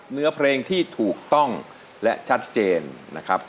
เนื้อเพลงที่ถูกต้องและชัดเจนนะครับ